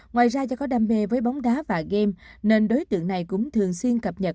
ngoài ra do có đam mê với bóng đá và game nên đối tượng này cũng thường xuyên cập nhật